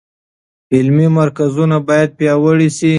علمي مرکزونه باید پیاوړي شي.